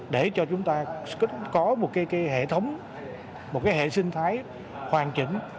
để cho chúng ta có một cái hệ thống một cái hệ sinh thái hoàn chỉnh